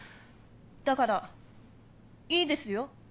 だからいいですよ